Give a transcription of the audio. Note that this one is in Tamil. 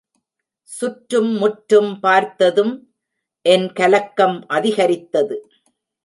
சுற்றும் முற்றும் பார்த்ததும் என் கலக்கம் அதிகரித்தது.